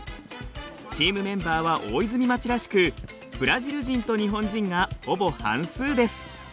チームメンバーは大泉町らしくブラジル人と日本人がほぼ半数です。